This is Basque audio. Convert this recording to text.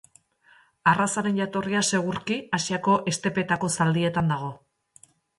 Arrazaren jatorria segurki Asiako estepetako zaldietan dago.